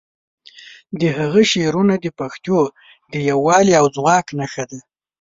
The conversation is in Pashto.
د هغه شعرونه د پښتو د یووالي او ځواک نښه دي.